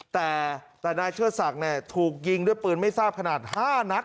แต่แต่นายเชื้อสัตว์เนี่ยถูกยิงด้วยปืนไม่ทราบขนาด๕นัท